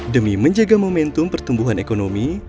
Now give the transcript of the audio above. demi menjaga momentum pertumbuhan ekonomi